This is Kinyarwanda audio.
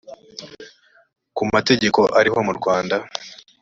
ku mategeko ariho mu rwanda